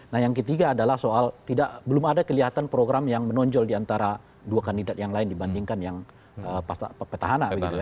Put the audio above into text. nah yang ketiga adalah soal belum ada kelihatan program yang menonjol diantara dua kandidat yang lain dibandingkan yang petahana